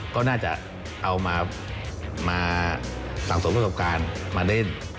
ก็น่าจะเอามาสงสูมพยาบาลมาเล่น